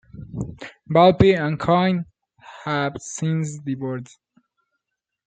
Valpy and Coyne have since divorced.